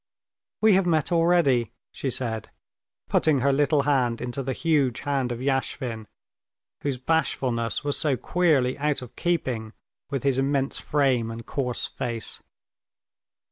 "We have met already," she said, putting her little hand into the huge hand of Yashvin, whose bashfulness was so queerly out of keeping with his immense frame and coarse face.